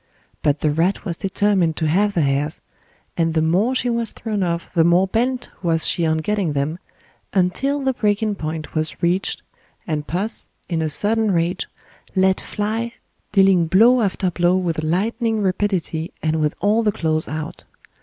But the rat was determined to have the hairs, and the more she was thrown off the more bent was she on getting them, until the breaking point was reached and puss, in a sudden rage, let fly, dealing blow after blow with lightning rapidity and with all the claws out.